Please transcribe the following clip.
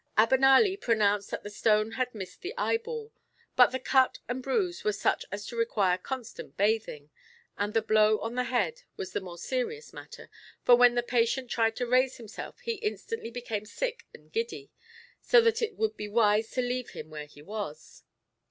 Abenali pronounced that the stone had missed the eyeball, but the cut and bruise were such as to require constant bathing, and the blow on the head was the more serious matter, for when the patient tried to raise himself he instantly became sick and giddy, so that it would be wise to leave him where he was.